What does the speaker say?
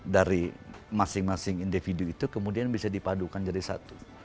dari masing masing individu itu kemudian bisa dipadukan jadi satu